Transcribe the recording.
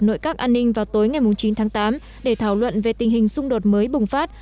nội các an ninh vào tối ngày chín tháng tám để thảo luận về tình hình xung đột mới bùng phát